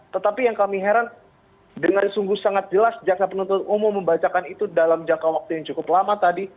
tetapi yang kami heran dengan sungguh sangat jelas jaksa penuntut umum membacakan itu dalam jangka waktu yang cukup lama tadi